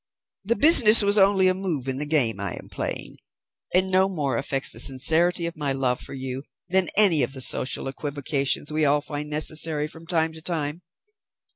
The business was only a move in the game I am playing, and no more affects the sincerity of my love for you than any of the social equivocations we all find necessary from time to time.